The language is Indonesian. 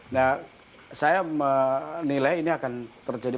nah saya menilai ini akan terjadi